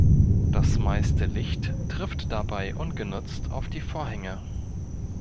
Das meiste Licht trifft dabei ungenutzt auf die Vorhänge.